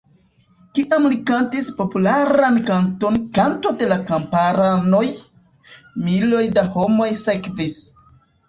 Kiam li kantis popularan kanton 'Kanto de la Kamparanoj', miloj da homoj sekvis.